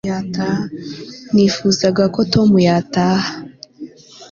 nifuzaga ko tom yataha